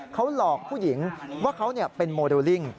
เขาหลอกผู้หญิงว่าเขาเป็นโมเดลลิ่ง